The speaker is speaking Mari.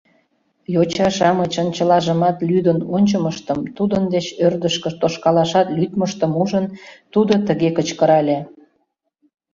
Йоча-шамычын чылажымат лӱдын ончымыштым, тудын деч ӧрдыжкӧ тошкалашат лӱдмыштым ужын, тудо тыге кычкырале: